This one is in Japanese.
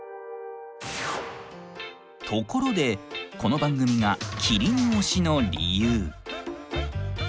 ところでこの番組が「キリン推し」の理由。